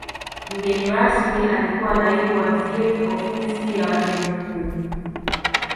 mgeni rasmi alikuwa naibu waziri ofisi ya waziri mkuu